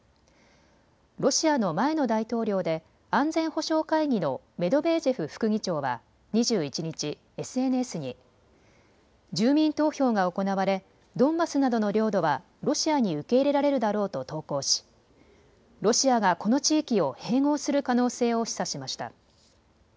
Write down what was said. ロシアの前の大統領で安全保障会議のメドベージェフ副議長は２１日、ＳＮＳに住民投票が行われドンバスなどの領土はロシアに受け入れられるだろうと投稿しロシアがこの地域を併合する可能性を示唆しました。